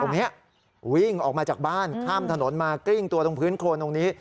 วิ่งออกมาจากบ้านข้ามถนนมากลิ้งตัวตรงพื้นโครนตรงนี้